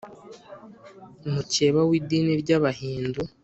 mukeba w’idini ry’abahindu